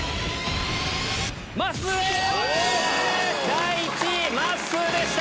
第１位まっすーでした！